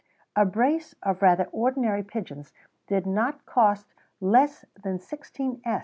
A brace of rather ordinary pigeons did not cost less than 16s.